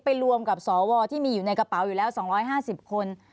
ไปรวมกับสวที่มีอยู่ในกระเป๋าอยู่แล้ว๒๕๐คน